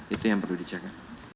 itu yang perlu dijaga